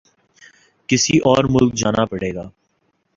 کسی اور ملک جانا پڑے گا